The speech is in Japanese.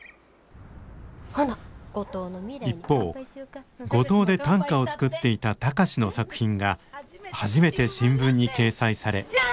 一方五島で短歌を作っていた貴司の作品が初めて新聞に掲載され。